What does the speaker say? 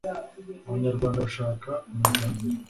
abanyarwanda bashaka amajyambere